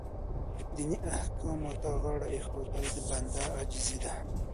دیني احکامو ته غاړه ایښودل د بنده عاجزي ده.